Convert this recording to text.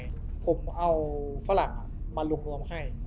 ผมเอาฝรั่งมาลงนวมให้